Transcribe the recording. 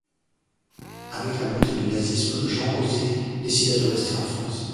Avec la montée du nazisme, Jean Oser décida de rester en France.